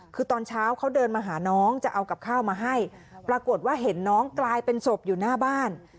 คือตอนเช้าเขาเดินมาหาน้องจะเอากับข้าวมาให้ปรากฏว่าเห็นน้องกลายเป็นศพอยู่หน้าบ้าน